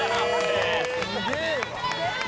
すげえわ！